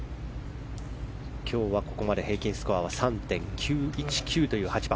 今日はここまで平均スコアは３．９１９という８番。